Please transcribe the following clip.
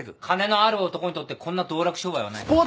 金のある男にとってこんな道楽商売はない。